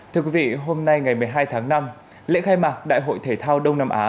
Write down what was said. thưa quý vị hôm nay ngày một mươi hai tháng năm lễ khai mạc đại hội thể thao đông nam á